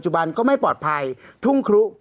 หาความดูด